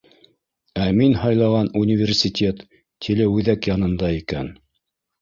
Ә мин һайлаған университет Телеүҙәк янында икән.